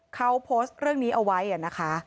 เขาโพสต์เรื่องนี้เอาไว้นะคะ